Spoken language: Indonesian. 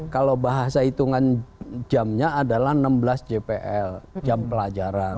kalau bahasa hitungan jamnya adalah enam belas jpl jam pelajaran